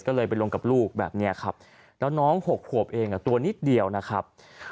ก็เลยไปลงกับลูกอย่างนี้ครับ